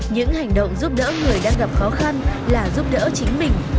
những hành động giúp đỡ người đang gặp khó khăn là giúp đỡ chính mình